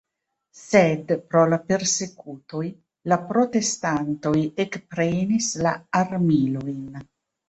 Sed, pro la persekutoj, la protestantoj ekprenis la armilojn.